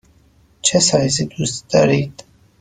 چه سایزی دوست دارید؟